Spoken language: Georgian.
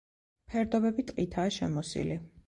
ფერდობები ტყითაა შემოსილი.